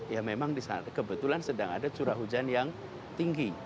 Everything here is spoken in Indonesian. ya memang di sana kebetulan sedang ada curah hujan yang tinggi